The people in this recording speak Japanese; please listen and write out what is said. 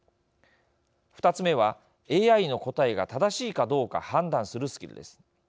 ２つ目はＡＩの答えが正しいかどうか判断するスキルです。